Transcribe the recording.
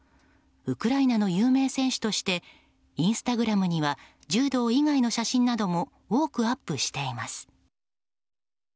ウクライナの有名選手としてインスタグラムには柔道以外の写真なども多くアップしています。